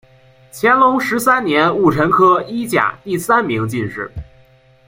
乾隆十三年戊辰科一甲第三名进士。